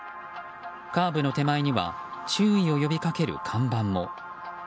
カーブの手前には注意を呼び掛ける看板も。